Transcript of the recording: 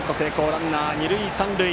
ランナーは二塁三塁。